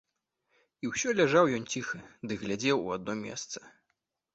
І ўсё ляжаў ён ціха ды глядзеў у адно месца.